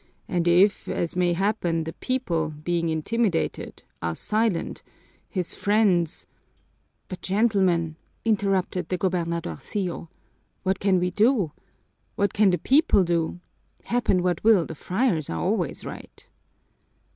And if, as may happen, the people, being intimidated, are silent, his friends " "But, gentlemen," interrupted the gobernadorcillo, "what can we do? What can the people do? Happen what will, the friars are always right!"